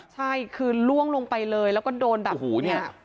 ใช่คือล่วงลงไปเลยแล้วก็โดนแบบหูเนี่ย